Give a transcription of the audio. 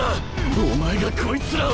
お前がこいつらを。